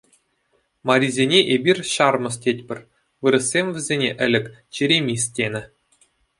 Марисене эпир ҫармӑс тетпӗр, вырӑссем вӗсене ӗлӗк черемис тенӗ.